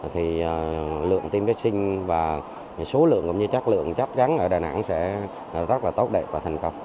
thì lượng tiêm vệ sinh và số lượng cũng như chất lượng chắc chắn ở đà nẵng sẽ rất là tốt đẹp và thành công